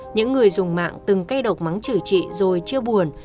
những người dùng mạng từng cây độc mắng chửi chị rồi chưa buồn